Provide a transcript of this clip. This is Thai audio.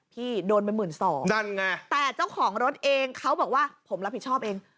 พี่โดนไปหมื่นสองนั่นไงแต่เจ้าของรถเองเขาบอกว่าผมรับผิดชอบเอง